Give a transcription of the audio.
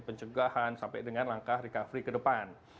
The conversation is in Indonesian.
pencegahan sampai dengan langkah recovery ke depan